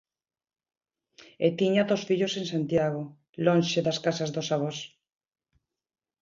E tiña dous fillos en Santiago, lonxe das casas dos avós.